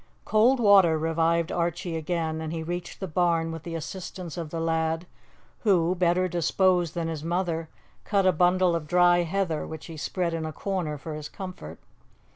Cold water revived Archie again, and he reached the barn with the assistance of the lad, who, better disposed than his mother, cut a bundle of dry heather, which he spread in a corner for his comfort.